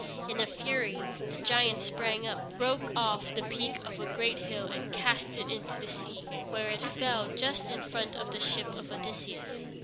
In a fury the giant sprang up, broke off the peak of a great hill and cast it into the sea, where it fell just in front of the ship of Odysseus.